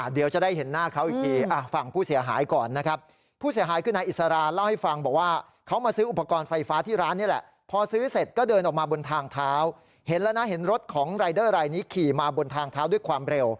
เดี๋ยวจะได้เห็นหน้าเขาอีกทีฟังผู้เสียหายก่อนนะครับ